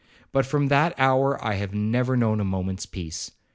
But from that hour I have never known a moment's peace.